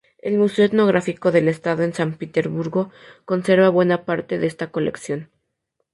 El Museo etnográfico del Estado en San Petersburgo conserva buena parte de esta colección.